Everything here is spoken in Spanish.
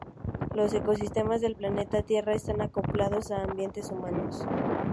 Los ecosistemas del planeta Tierra están acoplados a ambientes humanos.